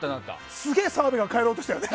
すげえ澤部が帰ろうとしたよね。